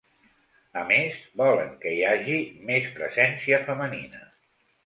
A més, volen que hi hagi més presència femenina.